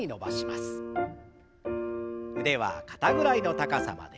腕は肩ぐらいの高さまで。